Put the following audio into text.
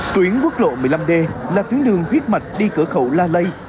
tuyến quốc lộ một mươi năm d là tuyến đường huyết mạch đi cửa khẩu la lây